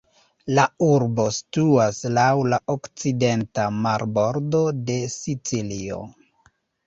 La urbo situas laŭ la okcidenta marbordo de Sicilio.